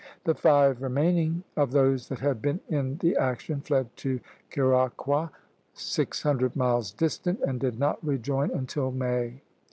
The five remaining, of those that had been in the action, fled to Curaçoa, six hundred miles distant, and did not rejoin until May.